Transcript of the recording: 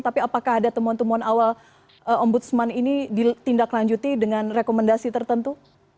tapi apakah ada temuan temuan awal ombudsman ini ditindaklanjuti dengan rekomendasi tertentu